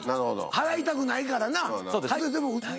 払いたくないからなでも。